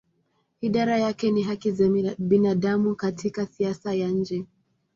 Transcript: Idara yake ni haki za binadamu katika siasa ya nje.